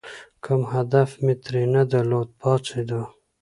کوم هدف مې ترې نه درلود، پاڅېدو.